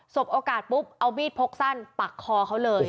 บโอกาสปุ๊บเอามีดพกสั้นปักคอเขาเลย